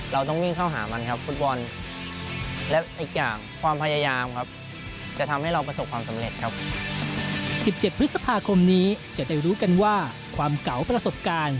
เราต้องวิ่งเข้าหามันนะครับฟุตบอล